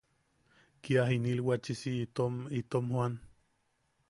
Kia jinilwachisi itom... itom joan.